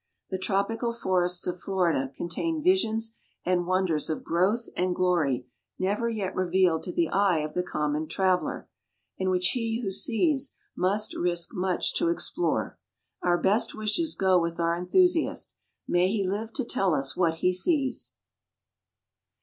The tropical forests of Florida contain visions and wonders of growth and glory never yet revealed to the eye of the common traveller, and which he who sees must risk much to explore. Our best wishes go with our enthusiast. May he live to tell us what he sees!